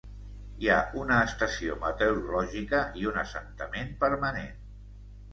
Hi ha una estació meteorològica i un assentament permanent.